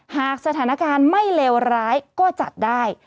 หากสถานการณ์ไม่เลวร้ายก็จัดได้